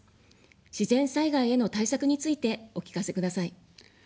自然災害への対策についてお聞かせください。